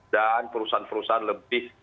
dan perusahaan perusahaan lebih